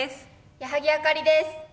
矢作あかりです。